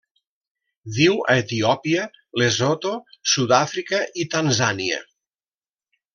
Viu a Etiòpia, Lesotho, Sud-àfrica i Tanzània.